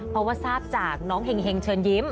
เพราะว่าทราบจากน้องเห็งเชิญยิ้ม